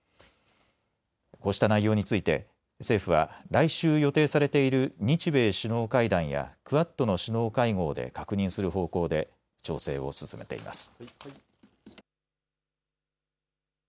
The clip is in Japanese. こうした内容について政府は来週予定されている日米首脳会談やクアッドの首脳会合で確認する方向で調整を進めています。